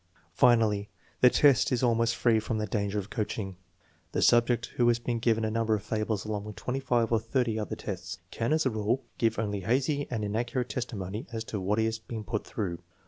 Finally, the test is almost free from the danger of coach ing. The subject who has been given a number of fables along with twenty five or thirty other tests can as a rule give only hazy and inaccurate testimony as to what he has been put through.